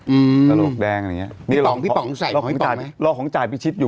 อืมกะโหลกแดงอะไรเงี้ยพี่ป๋องพี่ป๋องใส่ของพี่ป๋องไหมรอของจ่ายพี่ชิดอยู่